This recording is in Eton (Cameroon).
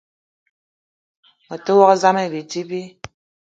Me te wok zam ayi bidi bi.